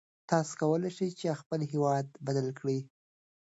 تاسو کولای شئ خپل هېواد بدل کړئ.